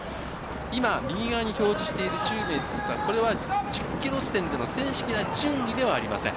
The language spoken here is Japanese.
今右側に表示している１０名通過、これは１０ｋｍ地点での正式な順位ではありません。